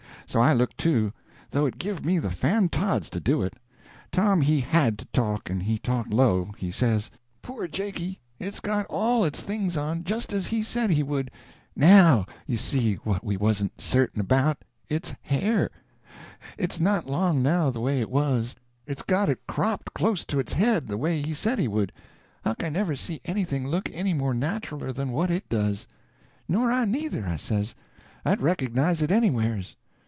So I looked too, though it give me the fan tods to do it. Tom he had to talk, but he talked low. He says: "Poor Jakey, it's got all its things on, just as he said he would. Now you see what we wasn't certain about—its hair. It's not long now the way it was: it's got it cropped close to its head, the way he said he would. Huck, I never see anything look any more naturaler than what It does." "Nor I neither," I says; "I'd recognize it anywheres."